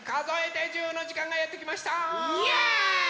イエーイ！